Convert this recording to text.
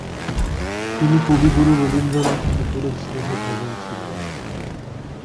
তিনি কবিগুরু রবীন্দ্রনাথ ঠাকুরের স্নেহ ভাজন ছিলেন।